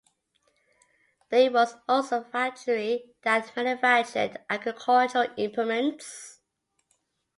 There was also a foundry that manufactured agricultural implements.